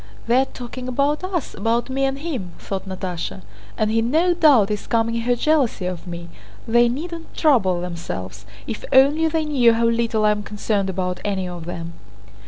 "They are talking about us, about me and him!" thought Natásha. "And he no doubt is calming her jealousy of me. They needn't trouble themselves! If only they knew how little I am concerned about any of them."